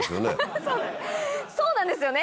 そうなんですよね。